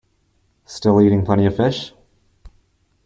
Still eating plenty of fish?